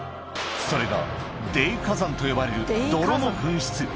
それが泥火山と呼ばれる泥の噴出